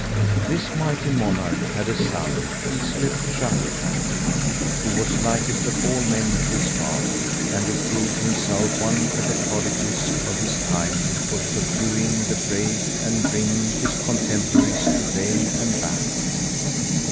This mighty monarch had a son yclept Sharrkan,[FN#143] who was likest of all men to his father and who proved himself one of the prodigies of his time for subduing the brave and bringing his contemporaries to bane and ban.